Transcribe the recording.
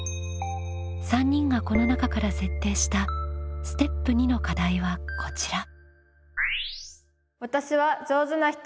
３人がこの中から設定したステップ２の課題はこちら。